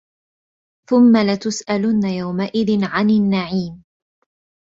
ثُمَّ لَتُسأَلُنَّ يَومَئِذٍ عَنِ النَّعيمِ